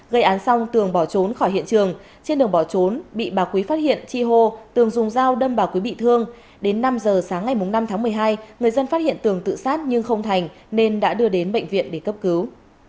gây án xong tường bỏ trốn khỏi hiện trường trên đường bỏ trốn bị bà quý phát hiện chi hô tường dùng dao đâm bà quý bị thương đến năm giờ sáng ngày năm tháng một mươi hai người dân phát hiện tường tự sát nhưng không thành nên đã đưa đến bệnh viện để cấp cứu